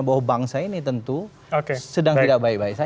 bahwa bangsa ini tentu sedang tidak baik baik saja